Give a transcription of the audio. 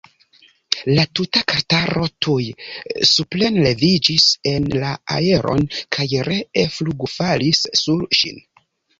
La tuta kartaro tuj suprenleviĝis en la aeron kaj ree flugfalis sur ŝin.